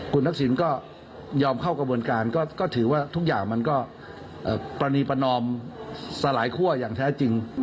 คุณนักภารนิปนรมสลายคั่วอย่างแท้จริง